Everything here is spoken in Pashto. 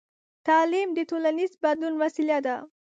تعلیم د ټولنیز بدلون وسیله ده.